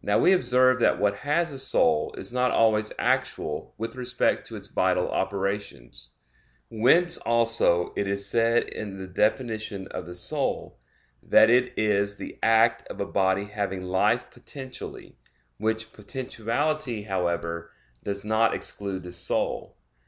Now we observe that what has a soul is not always actual with respect to its vital operations; whence also it is said in the definition of the soul, that it is "the act of a body having life potentially"; which potentiality, however, "does not exclude the soul."